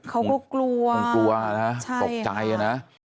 เขาก็กลัวตกใจนะ